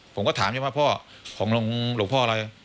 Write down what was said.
ผมก็ถามยังไงบ้างพ่อของหลวงพ่ออะไร